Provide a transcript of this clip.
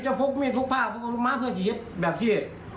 เจ้าพกเมียนพกผ้าพกอาวุธม้าเพื่อสีเห็ดแบบนี้